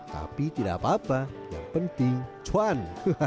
tapi tidak apa apa yang penting cuan